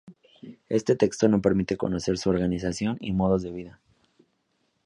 Este texto nos permite conocer su organización y modos de vida.